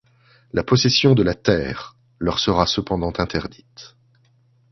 La possession de la terre leur sera cependant interdite.